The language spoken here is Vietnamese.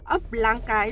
ấp láng cái